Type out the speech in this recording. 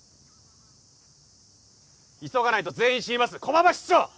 急がないと全員死にます駒場室長！